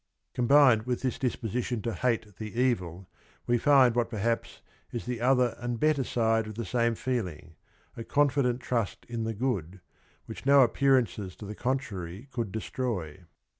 Combined with this disposition to hate the evil, we find what perhaps is the other and better side of the same feeling, a confident trust in the good, which no appearances to the contrary could destroy.